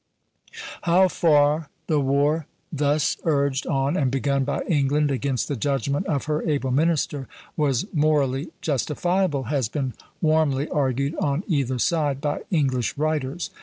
How far the war thus urged on and begun by England, against the judgment of her able minister, was morally justifiable has been warmly argued on either side by English writers.